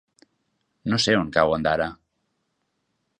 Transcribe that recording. No sé on cau Ondara.